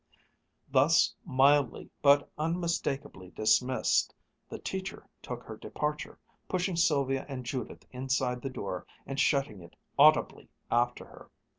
Thus mildly but unmistakably dismissed, the teacher took her departure, pushing Sylvia and Judith inside the door and shutting it audibly after her.